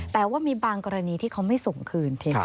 แต่ว่ามีบางกรณีที่เขาไม่ส่งคืน